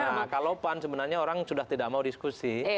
nah kalau pan sebenarnya orang sudah tidak mau diskusi